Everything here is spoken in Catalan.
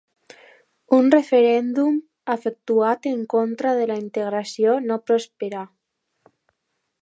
Un referèndum efectuat en contra de la integració no prosperà.